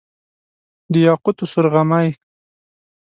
د یاقوتو سور غمی،